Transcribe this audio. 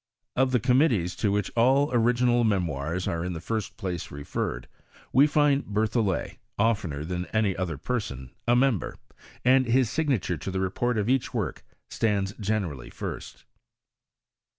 Of the committees to which all original memoirs are in the first place referred, vi'e find Berthollet, oftener than any other person, a member, and his signature to the report of each work stands generally first.